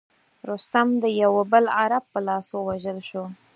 رستم د یوه بل عرب په لاس ووژل شو.